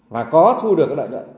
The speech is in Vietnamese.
và có thu được lợi nhuận